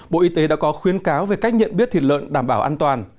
bộ y tế đã có khuyến cáo về cách nhận biết thịt lợn đảm bảo an toàn